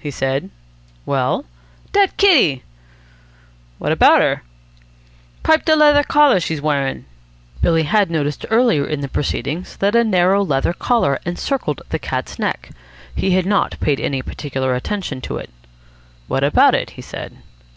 he said. "Well?" "Dat kitty." "What about her?" "Pipe de leather collar she's wearing." Billy had noticed earlier in the proceedings that a narrow leather collar encircled the cat's neck. He had not paid any particular attention to it. "What about it?" he said.